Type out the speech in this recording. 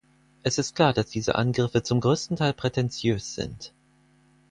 Es ist klar, dass diese Angriffe zum großen Teil prätentiös sind.